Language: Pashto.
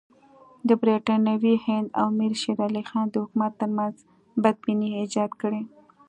د برټانوي هند او امیر شېر علي خان د حکومت ترمنځ بدبیني ایجاد کړي.